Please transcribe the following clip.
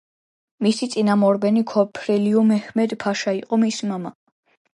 მისი წინამორბედი, ქოფრიულიუ მეჰმედ-ფაშა, იყო მისი მამა.